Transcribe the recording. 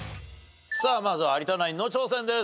さあまずは有田ナインの挑戦です。